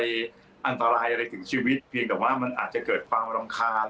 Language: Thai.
อันตรายอะไรถึงชีวิตเพียงแต่ว่ามันอาจจะเกิดความรำคาญ